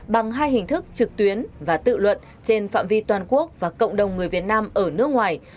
bằng hai hình thức trực tuyến và tự luận trên phạm vi toàn quốc và cộng đồng người việt nam ở nước ngoài